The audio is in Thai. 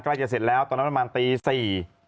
ใกล้จะเสร็จแล้วตอนนั้นนามาร์ทปี๔